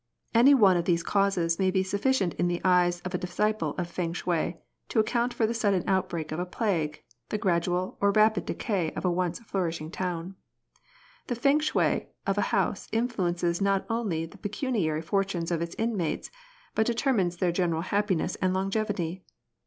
Any one of these causes may be sufficient in the eyes of a disciple of Feng shui to account for the sudden outbreak of a plague, the gradual or rapid decay of a once flourishing town. The Feng shui of a house influences not only the pecuniary fortunes of its inmates, but determines their general happiness and longevity.